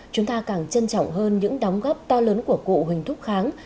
chúng ta càng trân trọng hơn những đóng góp to lớn của cụ huỳnh thúc kháng